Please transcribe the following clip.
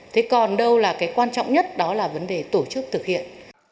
thế còn đâu là cái quan trọng nhất đó là vấn đề tổ chức thực hiện